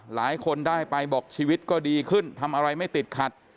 หลายคนได้ไปบอกชีวิตก็ดีขึ้นทำอะไรไม่ติดขัด